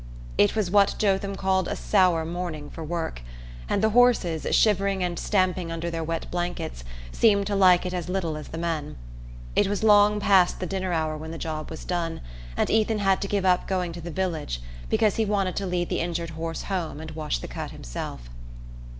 It was what Jotham called a sour morning for work, and the horses, shivering and stamping under their wet blankets, seemed to like it as little as the men. It was long past the dinner hour when the job was done, and Ethan had to give up going to the village because he wanted to lead the injured horse home and wash the cut himself.